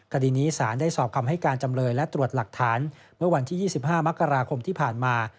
คดีนี้สารได้สอบคำให้การจำเลยและตรวจหลักฐานเมื่อวันที่๒๕มกราคมที่ผ่านมา